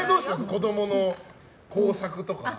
子供の工作とか。